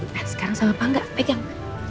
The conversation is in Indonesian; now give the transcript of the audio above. nah sekarang sama pangga pegang